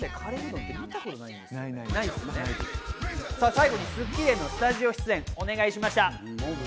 最後に『スッキリ』のスタジオ出演をお願いしました。